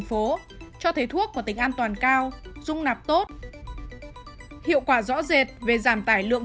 một bộ trung tâm gây cảnh giá tăng an toàn cao dung nạp tốt hiệu quả rõ rệt về giảm tải lượng